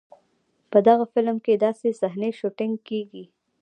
په دغه فلم کې داسې صحنې شوټېنګ کېږي.